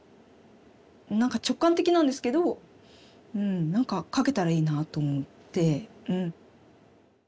何か直感的なんですけどうん何か描けたらいいなと思って。